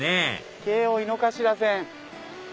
京王井の頭線。